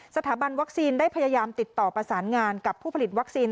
สถาบันวัคซีนได้พยายามติดต่อประสานงานกับผู้ผลิตวัคซีน